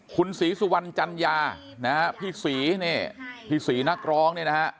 คุณศรีสุวรรณจัญญาพี่ศรีนักร้อง